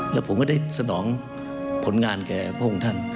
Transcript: แล้วผมก็ได้สนองผลงานแก่พระองค์ท่าน